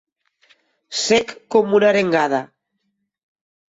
Sec com una arengada.